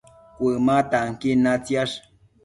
Cuëma tanquin natsiash